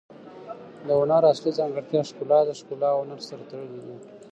د هنر اصلي ځانګړتیا ښکلا ده. ښګلا او هنر سره تړلي دي.